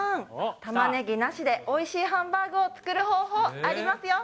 たまねぎなしでおいしいハンバーグを作る方法、ありますよ。